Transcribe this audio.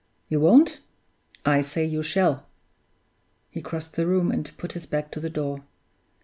You won't? I say you shall!" (He crossed the room and put his back to the door.)